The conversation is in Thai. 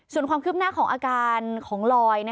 ส่วนความคืบหน้าของอาการของลอย